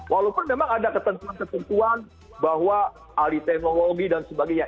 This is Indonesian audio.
walaupun memang ada ketentuan ketentuan bahwa alih teknologi dan sebagainya